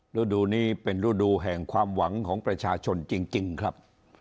ฤดูนี้เป็นฤดูแห่งความหวังของประชาชนจริงครับ